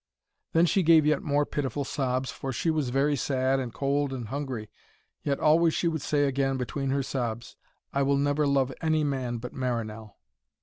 Then she gave yet more pitiful sobs, for she was very sad and cold and hungry. Yet always she would say again, between her sobs, 'I will never love any man but Marinell.'